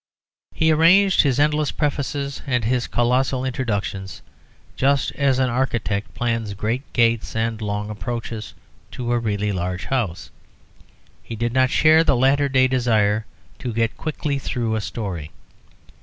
He arranged his endless prefaces and his colossal introductions just as an architect plans great gates and long approaches to a really large house. He did not share the latter day desire to get quickly through a story.